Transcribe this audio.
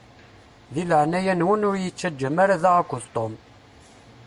Di leɛnaya-nwen ur yi-ttaǧǧam ara da akked Tom.